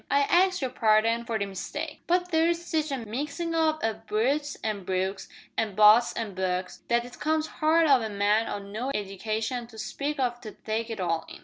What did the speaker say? I ax yer parding for the mistake, but there's sitch a mixin' up o' Brutes an' Brookes, an' Butts an' Bucks, that it comes hard o' a man o' no edication to speak of to take it all in.